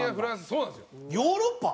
そうなんですよ。ヨーロッパ？